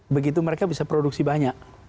begitu mereka bisa produksi banyak